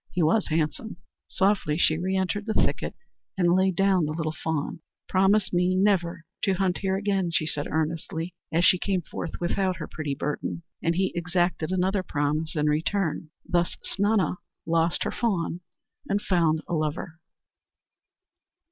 He was handsome. Softly she reëntered the thicket and laid down the little fawn. "Promise me never to hunt here again!" she said earnestly, as she came forth without her pretty burden, and he exacted another promise in return. Thus Snana lost her fawn, and found a lover.